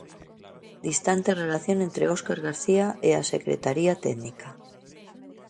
Distante relación entre Óscar García e a secretaría técnica.